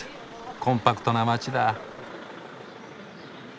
コンパクトな街だ。